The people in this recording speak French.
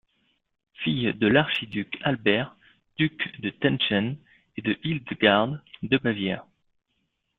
Fille de l'archiduc Albert, duc de Teschen et de Hildegarde de Bavière.